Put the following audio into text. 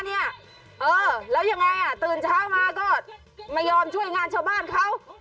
เออแล้วยังไงอ่ะตื่นเช้ามาก็ไม่ยอมช่วยงานชาวบ้านเขา